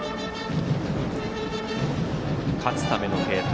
勝つための継投。